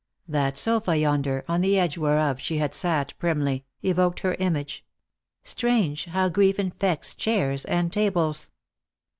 That sofa yonder, on the edge whereof she had sat primly, evoked her image. Strange how grief infects chairs and tables